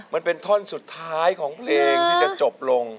มันเป็นท่อนสุดท้ายของเพลงที่จะจบลง